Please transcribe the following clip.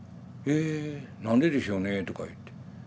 え何ででしょうねとか言って。